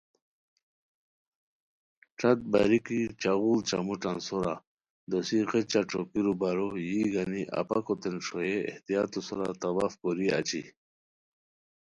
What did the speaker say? ݯت باریکی چھاغوڑ چموٹان سورا دوسی غیچہ ݯوکیرو بارو یی گانی اپاکوتین ݰوئیے احتیاطو سورا طواف کوری اچی